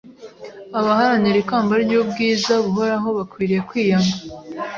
abaharanira ikamba ry’ubwiza buhoraho bakwiriye kwiyanga